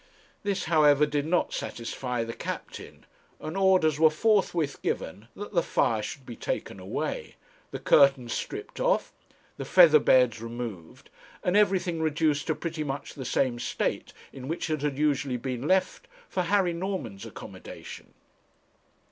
This, however, did not satisfy the captain, and orders were forthwith given that the fire should be taken away, the curtains stripped off, the feather beds removed, and everything reduced to pretty much the same state in which it had usually been left for Harry Norman's accommodation.